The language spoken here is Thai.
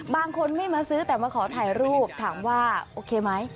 บางคนไม่มาซื้อแต่มาขอถ่ายรูปถามว่าโอเคไหม